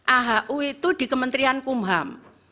ahu itu di kementerian kumham